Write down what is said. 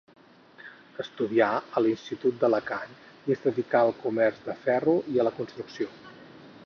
Estudià a l'Institut d'Alacant i es dedicà al comerç de ferro i a la construcció.